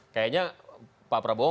kayaknya pak prabowo